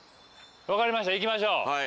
分かりましたいきましょう。